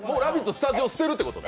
スタジオ捨てるってことね？